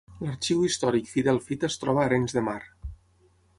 L’Arxiu Històric Fidel Fita es troba a Arenys de Mar.